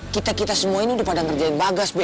kita kita semua ini udah pada ngerjain bagas